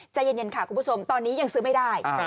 ใจเย็นค่ะคุณผู้ชมตอนนี้ยังซื้อไม่ได้